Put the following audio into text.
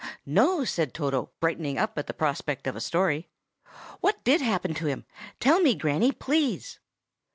"No!" said Toto, brightening up at the prospect of a story. "What did happen to him? Tell me, Granny, please!"